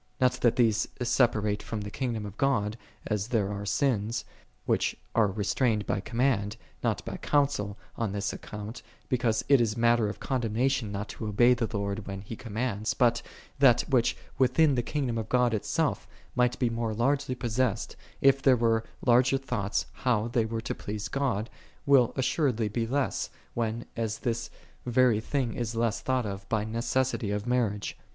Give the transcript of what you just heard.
Not that these sepa rate from the kingdom of God, as there are sins, which are restrained by command, not by counsel, on this account, because it is matter of condemnation not to obey the Lord when He commands: but that, which, within the kingdom of God itself, might be more largely possessed, if there were larger thoughts how they were to please God, will assuredly be less, when as this very thing is less thought of by necessity of marriage.